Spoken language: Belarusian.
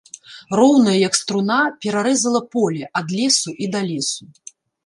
Роўная, як струна, перарэзала поле, ад лесу і да лесу.